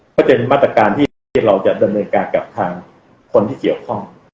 เพราะเป็นมาตรการที่เราจะดำเนินการกับทางคนที่เกี่ยวข้อง